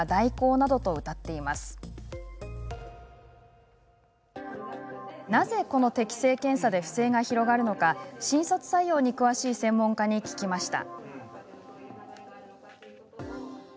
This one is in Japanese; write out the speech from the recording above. なぜ、この適正検査で不正が広がるのか新卒採用に詳しい専門家に聞きました。